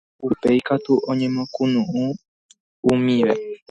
Upéi katu oñemokunu'ũmive